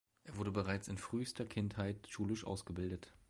Er wurde bereits in frühester Kindheit schulisch ausgebildet.